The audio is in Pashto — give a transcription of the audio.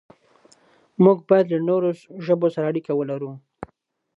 موږ بايد له نورو ژبو سره اړيکې ولرو.